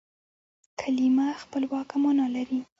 کلیمه خپلواکه مانا لري.